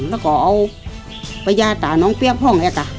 แล้วก็เอาประญาต่างน้องเปี๊ยกพร่องเอ่ยค่ะ